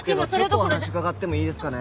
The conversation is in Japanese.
お話伺ってもいいですかね？